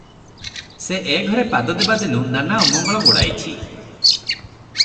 ସେ ଏ ଘରେ ପାଦ ଦେବା ଦିନୁ ନାନା ଅମଙ୍ଗଳ ଗୋଡ଼ାଇଛି ।"